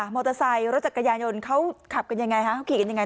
มอเตอร์ไซค์รถจักรยานยนต์เขาขับกันยังไงฮะเขาขี่กันยังไง